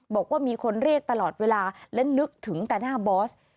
บอกว่ามีคนเรียกตลอดเวลาและนึกถึงแต่หน้าบอส